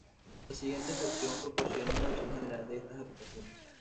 La siguiente sección proporciona una visión general de estas aplicaciones.